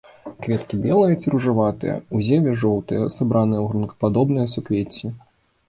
Кветкі белыя ці ружаватыя, у зеве жоўтыя, сабраныя ў гронкападобныя суквецці.